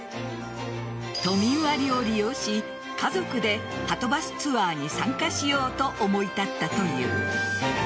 都民割を利用し、家族ではとバスツアーに参加しようと思い立ったという。